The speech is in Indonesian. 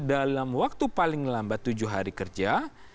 dalam waktu paling lambat tujuh hari kerja